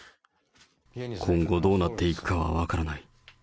今後、どうなっていくかは分からない。